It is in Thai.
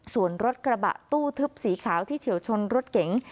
ส่วนรถกระบะตู้ทึบสีขาวที่เฉียวชนรถเก๋ง